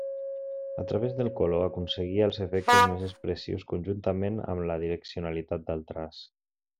A través del color aconseguia els efectes més expressius conjuntament amb la direccionalitat del traç.